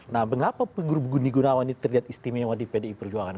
nah mengapa budi gunawan ini terlihat istimewa di pdi perjuangan